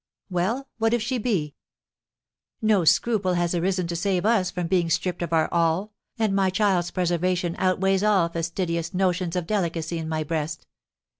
Well, what if she be? No scruple has arisen to save us from being stripped of our all, and my child's preservation outweighs all fastidious notions of delicacy in my breast.